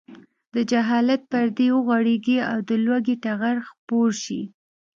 د جهالت پردې وغوړېږي او د لوږې ټغر خپور شي.